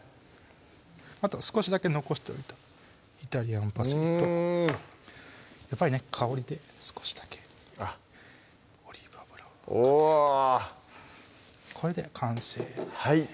あと少しだけ残しておいたイタリアンパセリとやっぱりね香りで少しだけオリーブ油をかけるとうわこれで完成ですね